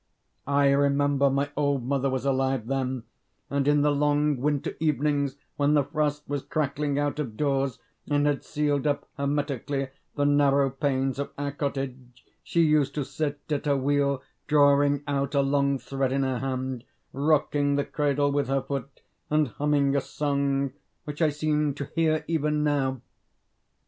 I remember my old mother was alive then, and in the long winter evenings when the frost was crackling out of doors, and had sealed up hermetically the narrow panes of our cottage, she used to sit at her wheel, drawing out a long thread in her hand, rocking the cradle with her foot, and humming a song, which I seem to hear even now.